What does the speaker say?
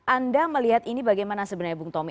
anda melihat ini bagaimana sebenarnya bung tommy